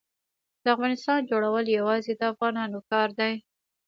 د افغانستان جوړول یوازې د افغانانو کار دی.